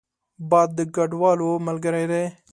باد د کډوالو ملګری دی